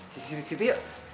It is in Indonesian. sisi disitu yuk